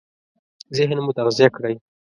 ذهن مو تغذيه کړئ!